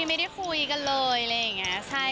ไม่ได้คุยกันเลย